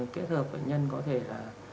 kết hợp bệnh nhân có thể là